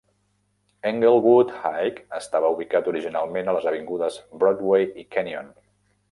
Englewood High estava ubicat originalment a les avingudes Broadway i Kenyon.